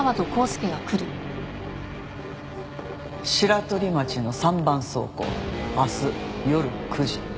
白取町の３番倉庫明日夜９時。